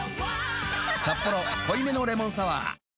「サッポロ濃いめのレモンサワー」